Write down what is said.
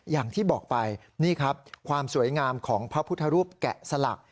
อย่างที่บอกไปนี่ครับความสวยงามของพระพุทธรูปแกะสลัก